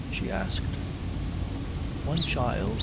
she asked. "One child?"